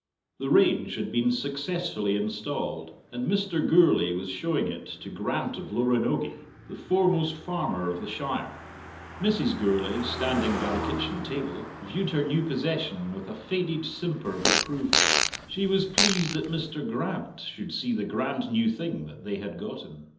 The range had been successfully installed, and Mr. Gourlay was showing it to Grant of Loranogie, the foremost farmer of the shire. Mrs. Gourlay, standing by the kitchen table, viewed her new possession with a faded simper of approval. She was pleased that Mr. Grant should see the grand new thing that they had gotten.